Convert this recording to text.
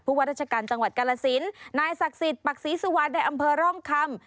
ว่าราชการจังหวัดกาลสินนายศักดิ์สิทธิ์ปักศรีสุวรรณในอำเภอร่องคำ